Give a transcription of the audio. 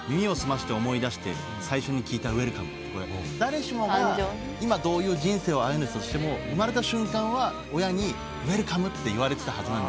誰しもが今どういう人生を歩んでたとしても生まれた瞬間は親に「ウエルカム」って言われてたはず。